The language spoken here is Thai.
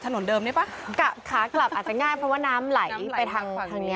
นั่นสิครับค่ะค้ากลับอาจจะง่ายเพราะว่าน้ำไหลไปทางนี้